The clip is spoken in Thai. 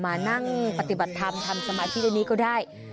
มานั่งปฏิบัติธรรมทำสมาธิในนี้ก็ได้